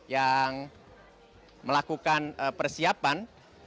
yang melakukan persiapan